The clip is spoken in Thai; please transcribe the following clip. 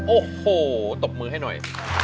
โอ้โหตบมือให้หน่อย